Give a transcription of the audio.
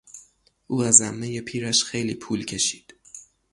او از عمهی پیرش خیلی پول کشید.